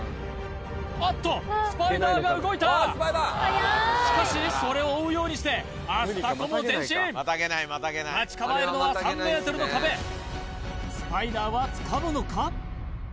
あっとスパイダーが動いたしかしそれを追うようにしてアスタコも前進待ち構えるのは３ｍの壁スパイダーはつかむのか？